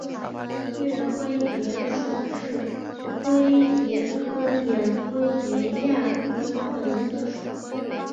岳灰蝶属是灰蝶科眼灰蝶亚科中的一个属。